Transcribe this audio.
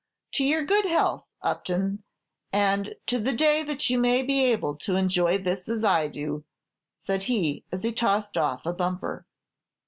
To your good health, Upton, and to the day that you may be able to enjoy this as I do," said he, as he tossed off a bumper.